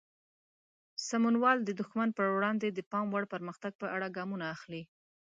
سمونوال د دښمن پر وړاندې د پام وړ پرمختګ په اړه ګامونه اخلي.